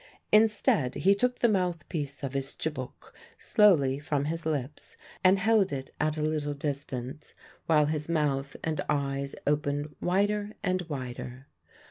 Instead, he took the mouthpiece of his tchibouk slowly from his lips and held it at a little distance, while his mouth and eyes opened wider and wider.